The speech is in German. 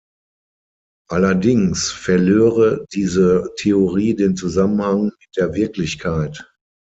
Allerdings verlöre diese Theorie den Zusammenhang mit der Wirklichkeit.